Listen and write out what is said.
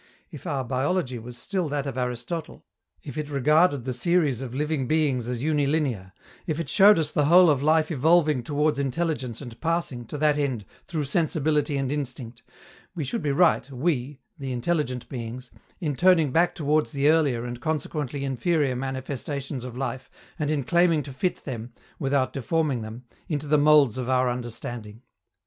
If our biology was still that of Aristotle, if it regarded the series of living beings as unilinear, if it showed us the whole of life evolving towards intelligence and passing, to that end, through sensibility and instinct, we should be right, we, the intelligent beings, in turning back towards the earlier and consequently inferior manifestations of life and in claiming to fit them, without deforming them, into the molds of our understanding.